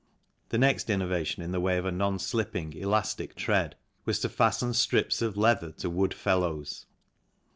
The next innovation in the way of a non slipping, elastic tread was to fasten strips of leather to wood felloes.